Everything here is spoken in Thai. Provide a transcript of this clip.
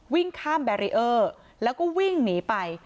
วิ่งข้ามแบรีเออร์แล้วก็วิ่งหนีไป